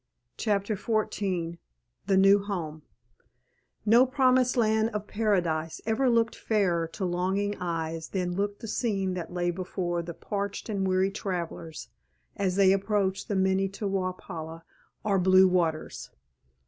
*CHAPTER XIV* *THE NEW HOME* No promised land of Paradise ever looked fairer to longing eyes than looked the scene that lay before the parched and weary travelers as they approached the Minne to wauk pala or Blue Waters.